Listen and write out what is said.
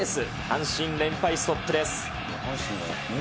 阪神、連敗ストップです。